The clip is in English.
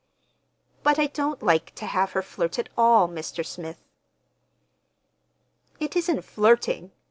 "But I don't like to have her flirt at all, Mr. Smith." "It isn't flirting.